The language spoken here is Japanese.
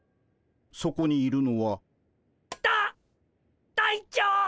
そこにいるのは。た隊長！